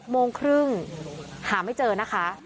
โมงครึ่งหาไม่เจอนะคะ